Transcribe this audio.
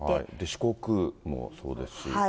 四国もそうですし。